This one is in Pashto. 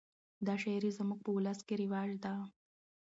دا شاعري زموږ په اولس کښي رواج ده.